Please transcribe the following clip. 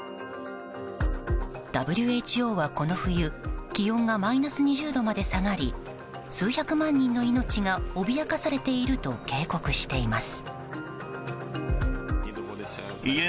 ＷＨＯはこの冬気温がマイナス２０度まで下がり数百万人の命が脅かされていると警告しています。